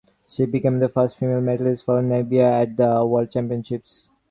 She became the first female medallist for Namibia at the World Championships.